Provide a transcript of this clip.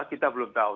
kita belum tahu